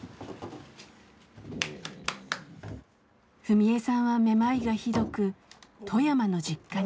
史恵さんはめまいがひどく富山の実家に。